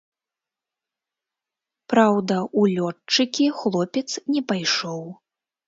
Праўда, у лётчыкі хлопец не пайшоў.